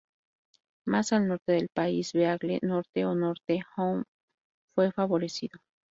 Más al norte del País Beagle Norte o Norte Hound fue favorecido.